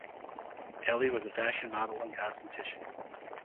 Elly was a fashion model and cosmetician.